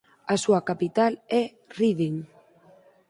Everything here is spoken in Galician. A súa capital é Reading.